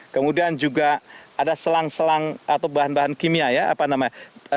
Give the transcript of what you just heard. kemudian juga ada selang selang atau bahan bahan kimia ya apa namanya